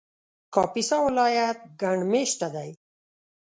کاپیسا ولایت ګڼ مېشته دی